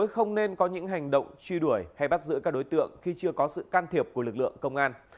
không nên có những hành động truy đuổi hay bắt giữ các đối tượng khi chưa có sự can thiệp của lực lượng công an